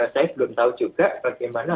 saya belum tahu juga bagaimana